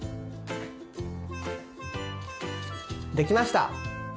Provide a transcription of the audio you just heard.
できました。